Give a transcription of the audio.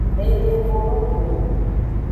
Enyi ng von no go.